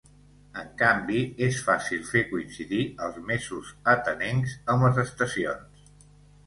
En canvi, és fàcil fer coincidir els mesos atenencs amb les estacions.